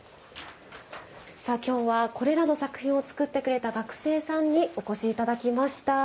今日はこれらの作品を作ってくれた学生さんにお越しいただきました。